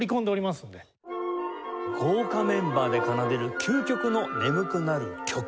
豪華メンバーで奏でる「究極の眠くなる曲」。